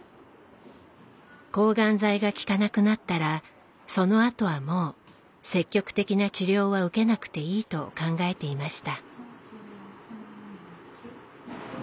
抗がん剤が効かなくなったらそのあとはもう積極的な治療は受けなくていいと考えていました。